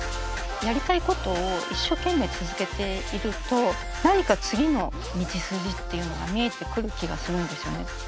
やりたいことを一生懸命続けていると何か次の道筋っていうのが見えてくる気がするんですよね。